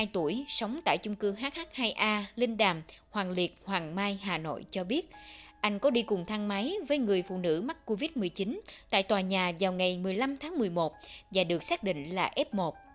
hai mươi tuổi sống tại chung cư hh hai a linh đàm hoàng liệt hoàng mai hà nội cho biết anh có đi cùng thang máy với người phụ nữ mắc covid một mươi chín tại tòa nhà vào ngày một mươi năm tháng một mươi một và được xác định là f một